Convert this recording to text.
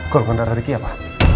gelokan darah riki apa